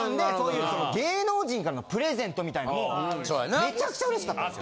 めちゃくちゃ嬉しかったんですよ。